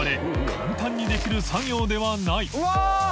簡単にできる作業ではない淵▲蕁うわっ！